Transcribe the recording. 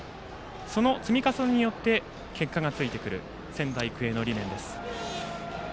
その積み重ねによって結果がついてくるという仙台育英の理念です。